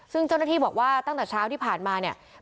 ซึ่งเจ้าหน้าที่บอกว่าตั้งแต่เช้าที่ผ่านมาเนี่ย